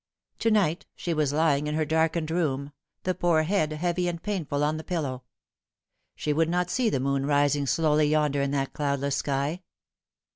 To night she was lying in her darkened room, the poor head heavy and painful on the pillow. She would not see the moon rising slowly yonder in that cloudless sky.